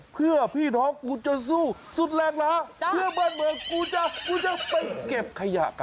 เพื่อพี่น้องกูจนสู้สุดแรงหล้าเพื่อบ้านเมืองกูจะกูจะไปเก็บขยะครับ